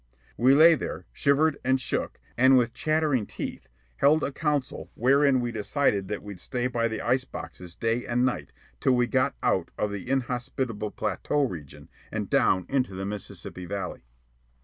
We lay there, shivered and shook, and with chattering teeth held a council wherein we decided that we'd stay by the ice boxes day and night till we got out of the inhospitable plateau region and down into the Mississippi Valley.